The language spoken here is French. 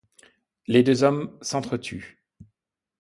Les deux hommes s'entretuent.